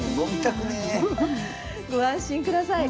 ご安心ください。